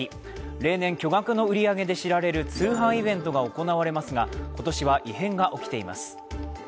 例年巨額の売り上げで知られる通販イベントが行われますが今年は異変が起きています。